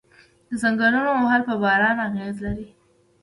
د ځنګلونو وهل په باران اغیز لري؟